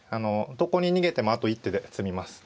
どこに逃げてもあと一手で詰みます。